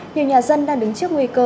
nhiều nhà dân đang đứng trước nguy cơ